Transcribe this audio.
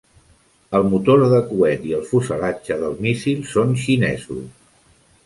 El motor de coet i el fuselatge del míssil són xinesos.